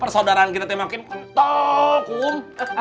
persaudaraan kita makin kental kum